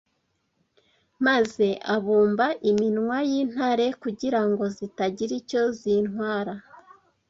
maze abumba iminwa y’intare kugira ngo zitagira icyo zintwara.’